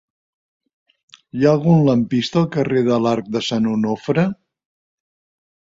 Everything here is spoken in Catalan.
Hi ha algun lampista al carrer de l'Arc de Sant Onofre?